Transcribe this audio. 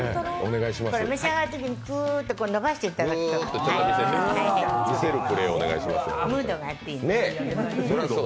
召し上がるときに、くーっと伸ばしていただけると、ムードがあっていいです。